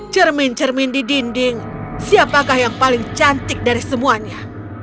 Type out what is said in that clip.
cermin cermin di dinding siapakah yang paling cantik dari semuanya